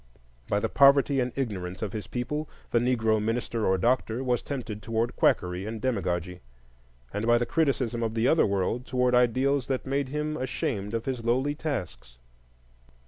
By the poverty and ignorance of his people, the Negro minister or doctor was tempted toward quackery and demagogy; and by the criticism of the other world, toward ideals that made him ashamed of his lowly tasks.